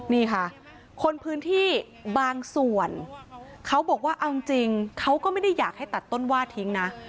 นี่ค่ะคนพื้นที่บางส่วนเขาบอกว่าเอาจริงเขาก็ไม่ได้อยากให้ตัดต้นว่าทิ้งนะ